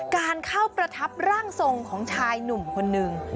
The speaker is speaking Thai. การเข้าประทับร่างทรงของชายหนุ่มคนนึง